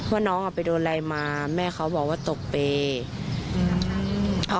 ว่าน้องเอาไปโดนอะไรมาแม่เขาบอกว่าตกเปรย์